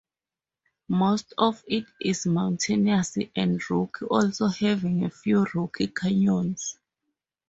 Most of it is mountainous and rocky, also having a few rocky canyons.